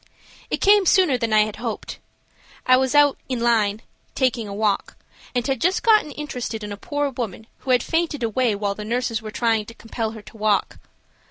It came sooner than I had hoped. I was out "in line" taking a walk, and had just gotten interested in a poor woman who had fainted away while the nurses were trying to compel her to walk.